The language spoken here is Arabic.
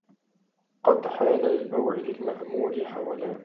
قد حال للموعد المأمول حولان